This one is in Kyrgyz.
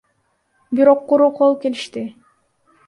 Бирок куру кол келишти.